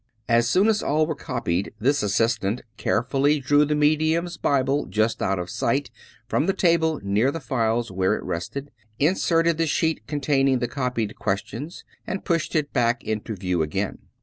As soon as all were copied this assistant carefully drew the medium's Bible just out of sight from the table near the flies where it rested, inserted the sheet containing the copied questions, and pushed it back into view again.